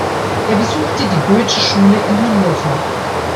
Er besuchte die Goetheschule in Hannover.